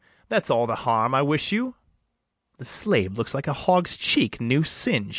that's all the harm I wish you. The slave looks like a hog's cheek new singed.